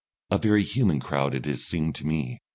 A very human crowd it has seemed to me.